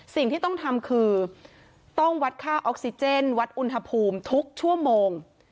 สิ่งที่ต้องทำคือต้องวัดค่าออกซิเจนวัดอุณหภูมิทุกชั่วโมง